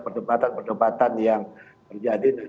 perdebatan perdebatan yang terjadi